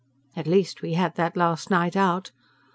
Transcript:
At least we had that last night out.